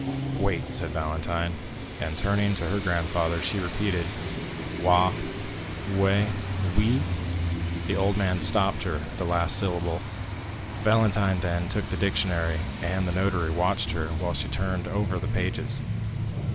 "Wait," said Valentine; and, turning to her grandfather, she repeated, "Wa—We—Wi——" The old man stopped her at the last syllable. Valentine then took the dictionary, and the notary watched her while she turned over the pages.